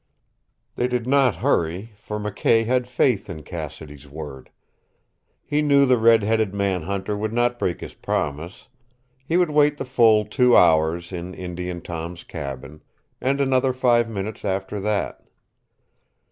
They did not hurry, for McKay had faith in Cassidy's word. He knew the red headed man hunter would not break his promise he would wait the full two hours in Indian Tom's cabin, and another five minutes after that.